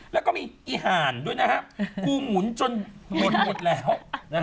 แล้วก็มีอีห่านด้วยนะฮะกูหมุนจนหมดแล้ว